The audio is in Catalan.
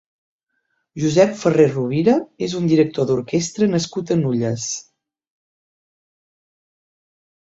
Josep Ferré Rovira és un director d'orquestra nascut a Nulles.